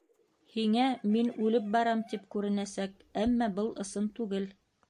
Һиңә мин үлеп барам тип күренәсәк, әммә был ысын түгел...